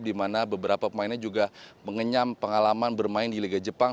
di mana beberapa pemainnya juga mengenyam pengalaman bermain di liga jepang